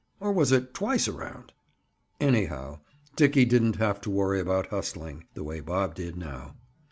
Or was it twice around? Anyhow, Dickie didn't have to worry about hustling, the way Bob did now.